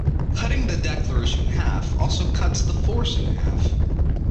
Cutting the deceleration in half also cuts the force in half.